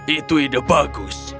itu ide bagus